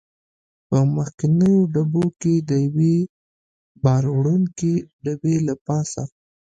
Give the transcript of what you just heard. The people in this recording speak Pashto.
په مخکنیو ډبو کې د یوې بار وړونکې ډبې له پاسه.